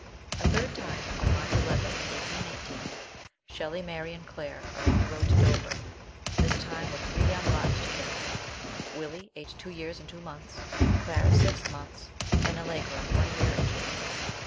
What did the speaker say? A THIRD time, on March 11, 1818, Shelley, Mary, and Claire are on the road to Dover, this time with three young lives to care for Willie, aged two years and two months ; Clara, six months ; and Allegra, one year and two months.